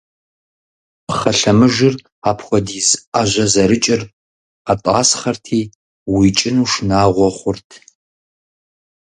Пхъэ лъэмыжыр, апхуэдиз Ӏэжьэ зэрыкӀыр, къэтӀасхъэрти, уикӀыну шынагъуэ хъурт.